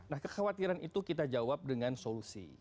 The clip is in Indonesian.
nah kekhawatiran itu kita jawab dengan solusi